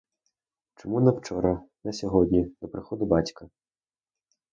Чому не вчора, не сьогодні, до приходу батька?